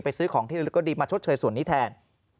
ซื้อของที่แล้วก็ดีมาชดเชยส่วนนี้แทน